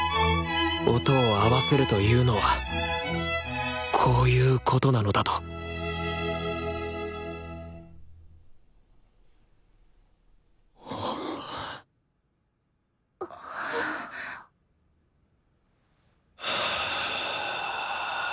音を合わせるというのはこういうことなのだとは。